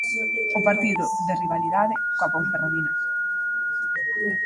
O partido de rivalidade coa Ponferradina.